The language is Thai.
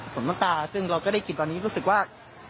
ฝนมั้กตาซึ่งเราก็ได้กินว่านี้จะรู้สึกว่า